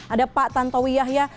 ada pak tantowi yahya